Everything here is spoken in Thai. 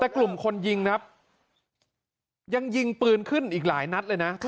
แต่กลุ่มคนยิงครับยังยิงปืนขึ้นอีกหลายนัดเลยนะ